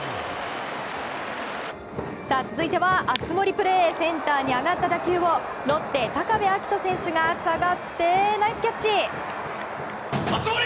続いては熱盛プレーセンターに上がった打球をロッテ、高部瑛斗選手が下がってナイスキャッチ！